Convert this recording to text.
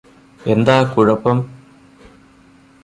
എന്താ കുഴപ്പം